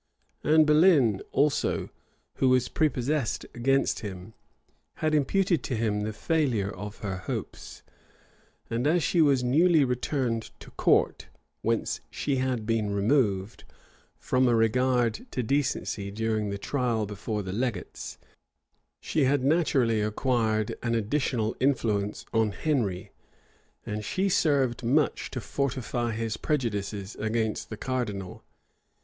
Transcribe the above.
Anne Boleyn also, who was prepossessed against him, had imputed to him the failure of her hopes; and as she was newly returned to court, whence she had been removed, from a regard to decency, during the trial before the legates, she had naturally acquired an additional influence on Henry, and she served much to fortify his prejudices against the cardinal.